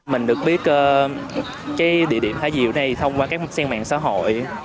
mình được biết địa điểm thả diều này thông qua các mục sân mạng xã hội